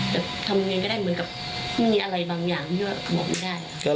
แต่ทำยังไงก็ได้เหมือนกับไม่มีอะไรบางอย่างที่ว่าเขาบอกไม่ได้